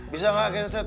bisa gak geng set